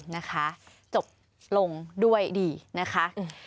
นะคะจบลงด้วยดีนะคะ